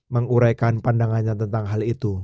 menguraikan pandangannya tentang hal itu